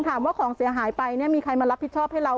ถามว่าของเสียหายไปมีใครมารับผิดชอบให้เรา